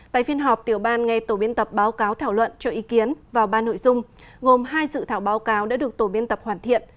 tại phiên họp tiểu ban nghe tổ biên tập báo cáo thảo luận cho ý kiến vào ba nội dung gồm hai dự thảo báo cáo đã được tổ biên tập hoàn thiện